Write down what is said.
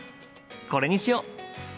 これにしよう！